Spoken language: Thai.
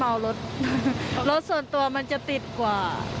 ปลอดโปรงค่ะปลอดโปรงดีมันไม่เมารถ